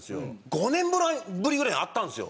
５年ぶりぐらいに会ったんですよ。